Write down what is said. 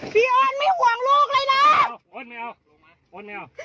พี่อ้อนไม่ห่วงลูกเลยนะ